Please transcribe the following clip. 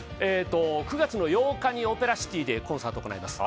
９月８日にオペラシティでコンサートを行います。